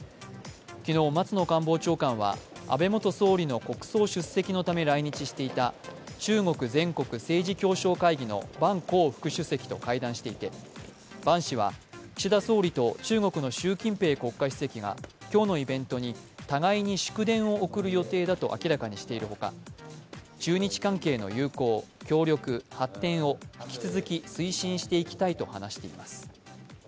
昨日、松野官房長官は安倍元総理の国葬出席のため来日していた中国全国政治協商会議の万鋼副主席と会談していて万氏は岸田総理と中国の習近平国家主席が今日のイベントに互いに祝電を送る予定だと明らかにしているほか中日関係の友好、協力、発展を引き続き推進していきたいと話しています。